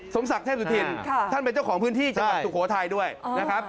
สมศักดิ์เทพสุธินท่านเป็นเจ้าของพื้นที่จังหวัดสุโขทัยด้วยนะครับ